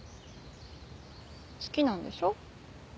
好きなんでしょ